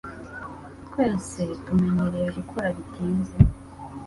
Twese tumenyereye gukora bitinze